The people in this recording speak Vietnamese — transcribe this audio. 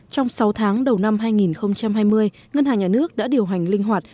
trong sáu tháng đầu năm hai nghìn hai mươi ngân hàng nhà nước đã điều hành linh hoạt